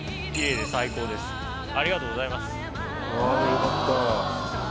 よかった。